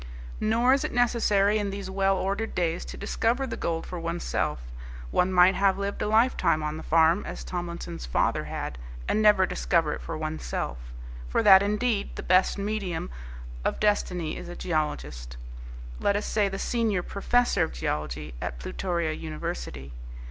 Nor is it necessary in these well ordered days to discover the gold for one's self. One might have lived a lifetime on the farm, as Tomlinson's father had, and never discover it for one's self. For that indeed the best medium of destiny is a geologist, let us say the senior professor of geology at Plutoria University.